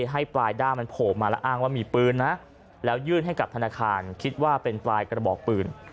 ให้ปลายด้ามมันโผล่มาแล้วอ้างว่ามีปืนนะแล้วยื่นให้กับธนาคารคิดว่าเป็นปลายกระบอกปืน